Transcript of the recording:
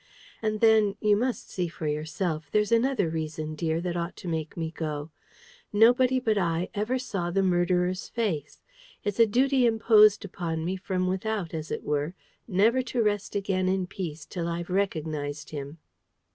And then, you must see for yourself, there's another reason, dear, that ought to make me go. Nobody but I ever saw the murderer's face. It's a duty imposed upon me from without, as it were, never to rest again in peace till I've recognised him."